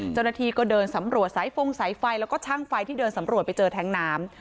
เจ้าหน้าที่ก็เดินสำรวจสายฟงสายไฟแล้วก็ช่างไฟที่เดินสำรวจไปเจอแท้งน้ำ